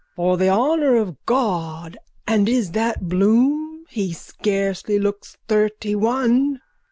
_ For the honour of God! And is that Bloom? He scarcely looks thirtyone.